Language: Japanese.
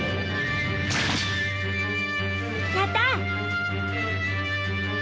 やった！